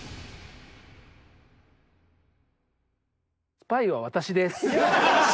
スパイは私です。